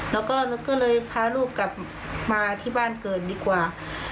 แล้วก็ก็เลยพาลูกกลับมาที่บ้านเกิดดีกว่า